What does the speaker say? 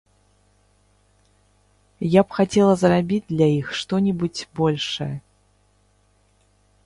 Я б хацела зрабіць для іх што-небудзь большае.